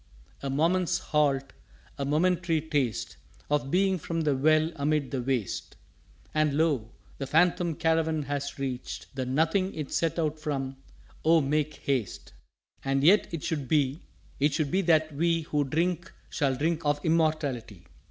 "_A moment's halt a momentary taste Of Being from the Well amid the Waste And Lo the phantom Caravan has reached The Nothing it set out from Oh, make haste!_" "And yet it should be it should be that we Who drink shall drink of Immortality.